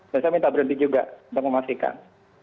dan saya minta berhenti juga saya memastikan